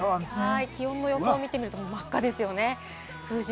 気温の予想を見てみても真っ赤ですよね。